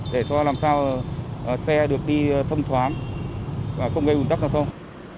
để làm sao xe được đi thông thoáng và không gây ung tắc giao thông